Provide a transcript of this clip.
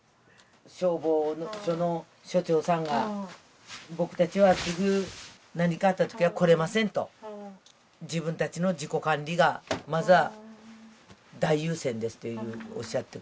消防署の署長さんが「僕たちはすぐ何かあったときは来られません」と「自分たちの自己管理がまずは大優先です」とおっしゃって。